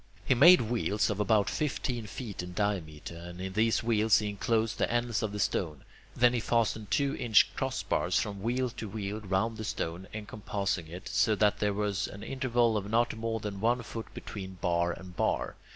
He made wheels of about fifteen feet in diameter, and in these wheels he enclosed the ends of the stone; then he fastened two inch crossbars from wheel to wheel round the stone, encompassing it, so that there was an interval of not more than one foot between bar and bar.